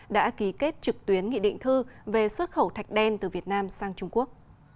đã ký kết trực tuyến nghị định thư về xuất khẩu thạch đen từ việt nam sang trung quốc